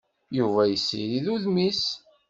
Yuba yessirid udem-is.